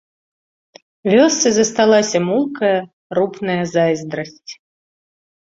Вёсцы засталася мулкая, рупная зайздрасць.